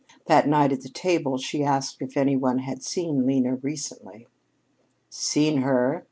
That night at the table she asked if any one had seen Lena recently. "Seen her?"